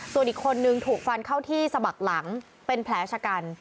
ส่วนอีกคนนึงถูกฟันเข้าที่สะบักหลังเป็นแผลชะกัน